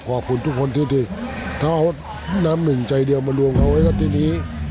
ขอบคุณทุกคนที่เขาเอาน้ำหนึ่งใจเดียวมารวมเขาไว้แล้วทีนี้